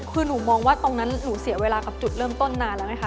คือหนูมองว่าตรงนั้นหนูเสียเวลากับจุดเริ่มต้นนานแล้วไงค